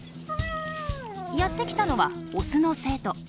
やって来たのはオスの生徒。